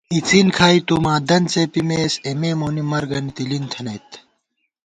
اِڅن کھائی تُو ماں دنت څېپِمېس، اېمےمونی مرگَنی تِلِن تھنَئیت